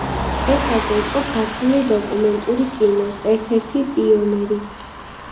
ესაძე იყო ქართული დოკუმენტური კინოს ერთ-ერთი პიონერი.